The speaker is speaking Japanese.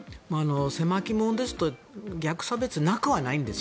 狭き門ですと逆差別、なくはないんです。